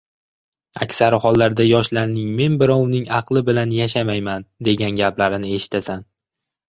Aksari hollarda yoshlarning men birovning aqli bilan yashamayman, degan gaplarini eshitasan.